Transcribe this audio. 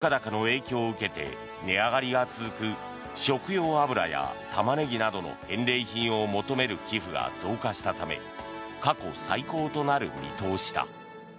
そして今年は物価高の影響を受けて値上がりが続く食用油やタマネギなどの返礼品を求める寄付が増加したため過去最高となる見通しだ。